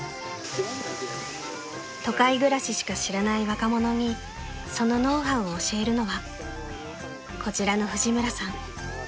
［都会暮らししか知らない若者にそのノウハウを教えるのはこちらの］